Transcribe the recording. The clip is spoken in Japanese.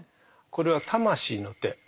これは魂の手。